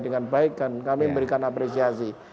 dengan baik dan kami memberikan apresiasi